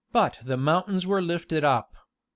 but the mountains were lifted up. ...